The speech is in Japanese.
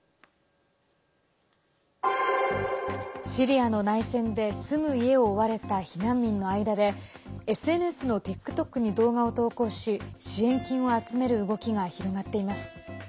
シリアの内戦で住む家を追われた避難民の間でＳＮＳのＴｉｋＴｏｋに動画を投稿し支援金を集める動きが広がっています。